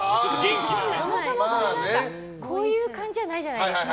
そもそも、こういう感じじゃないじゃないですか。